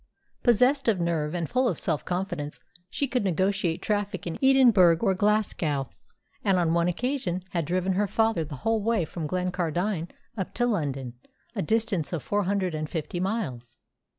Possessed of nerve and full of self confidence, she could negotiate traffic in Edinburgh or Glasgow, and on one occasion had driven her father the whole way from Glencardine up to London, a distance of four hundred and fifty miles.